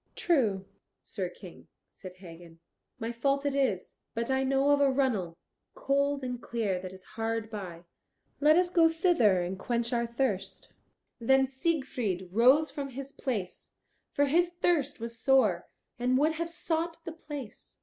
"True, Sir King," said Hagen, "my fault it is. But I know of a runnel, cold and clear, that is hard by. Let us go thither and quench our thirst." Then Siegfried rose from his place, for his thirst was sore, and would have sought the place.